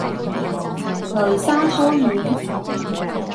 擂沙湯圓